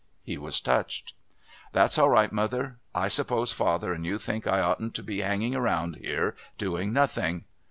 He was touched. "That's all right, mother. I suppose father and you think I oughtn't to be hanging around here doing nothing."